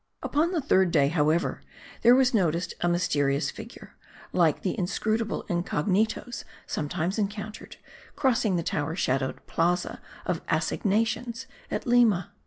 Upon the third day, however, there was noticed a myste rious figure, like the inscrutable incognitos sometimes en countered, crossing the tower shadowed Plaza of Assignations at Lima.